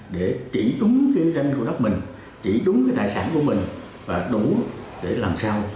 để chỉ đúng cái danh của đất mình chỉ đúng cái tài sản của mình và đủ để làm sao